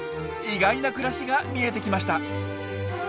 意外な暮らしが見えてきました！